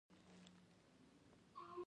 سږ کال مې کورنۍ ته یو موټر زړه نه ایستلی دی.